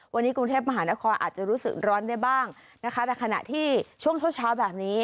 วันนี้กรุงเทพมหานครอาจจะรู้สึกร้อนได้บ้างนะคะแต่ขณะที่ช่วงเช้าเช้าแบบนี้